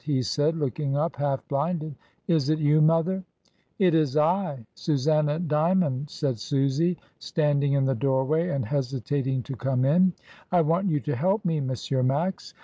he said, looking up half blinded: "Is it you, mother?" "It is I, Susanna Dymond," said Susy, standing in the doorway and hesitating to come in; "I want you to help me, M. Max.